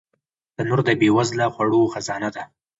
تنور د بې وزله خوړو خزانه ده